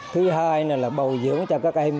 thứ hai là bầu dưỡng cho các em